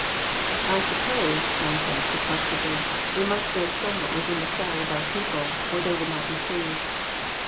"I suppose," John said, perplexedly, "we must live somewhat within the style of our people, or they would not be pleased."